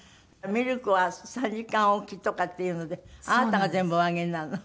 ミルクは３時間おきとかっていうのであなたが全部おあげになるの？